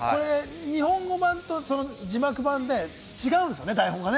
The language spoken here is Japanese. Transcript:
日本語版と字幕版で違うんですよね、台本が。